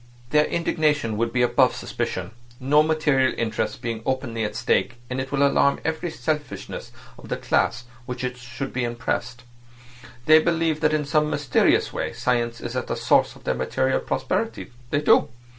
Their indignation would be above suspicion, no material interests being openly at stake, and it will alarm every selfishness of the class which should be impressed. They believe that in some mysterious way science is at the source of their material prosperity. They do.